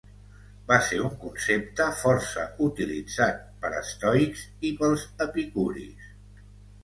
Va ser un concepte força utilitzat per estoics i pels epicuris.